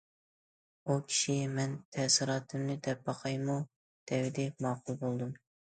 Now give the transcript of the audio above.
ئۇ كىشى« مەن تەسىراتىمنى دەپ باقايمۇ؟» دېۋىدى ماقۇل بولدۇم.